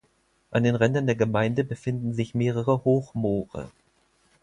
An den Rändern der Gemeinde befinden sich mehrere Hochmoore.